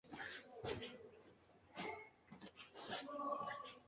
Los habitantes de San Carlos tuvieron un papel activo en la posterior Revolución Artiguista.